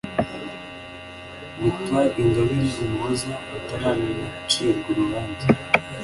Victoire Ingabire Umuhoza ataranacirwa urubanza